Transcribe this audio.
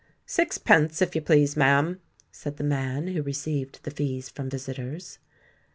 "Sixpence, if you please, ma'am," said the man who received the fees from visitors.